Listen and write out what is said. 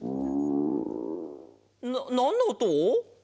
ななんのおと？